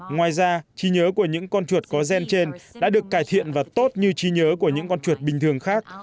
ngoài ra trí nhớ của những con chuột có gen trên đã được cải thiện và tốt như trí nhớ của những con chuột bình thường khác